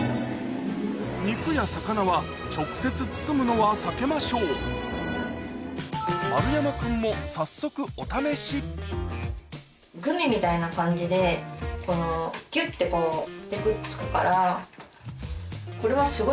肉や魚は直接包むのは避けましょう丸山君も早速お試しギュってこうくっつくから。